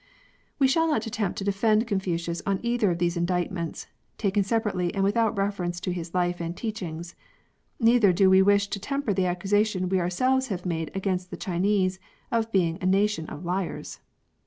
We shall not attempt to defend Confucius on either of these indictments, taken separately and without reference to his life and teachings ; neither do we wish to temper the accusation we ourselves have made against the Chinese, of being a nation of liars.